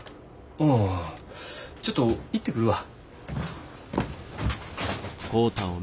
ああちょっと行ってくるわ。